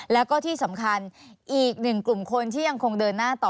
แล้วก็ที่สำคัญอีกหนึ่งกลุ่มคนที่ยังคงเดินหน้าต่อ